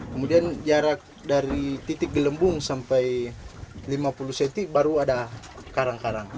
kemudian jarak dari titik gelembung sampai lima puluh cm baru ada karang karang